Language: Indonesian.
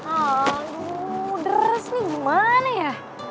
aduh terus nih gimana ya